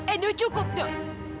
eh duk cukup duk